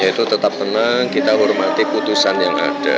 yaitu tetap tenang kita hormati putusan yang ada